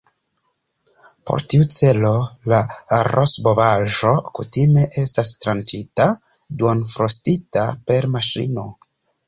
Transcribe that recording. Por tiu celo la rostbovaĵo kutime estas tranĉita duonfrostita per maŝino.